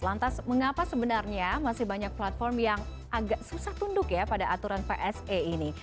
lantas mengapa sebenarnya masih banyak platform yang agak susah tunduk ya pada aturan pse ini